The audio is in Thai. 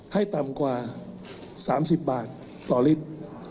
ให้ต่ำกว่า๓๐บาทต่อลิตร